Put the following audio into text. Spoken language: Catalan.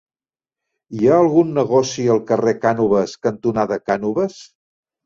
Hi ha algun negoci al carrer Cànoves cantonada Cànoves?